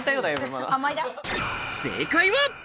正解は。